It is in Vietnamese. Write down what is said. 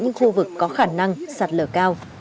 những khu vực có khả năng sạt lở cao